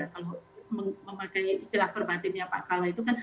kalau menggunakan istilah verbatimnya pak kalla itu kan